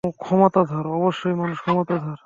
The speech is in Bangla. অবশ্যই মানুষ ক্ষমতাধর।